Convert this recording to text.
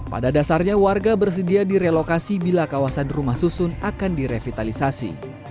pada dasarnya warga bersedia direlokasi bila kawasan rumah susun akan direvitalisasi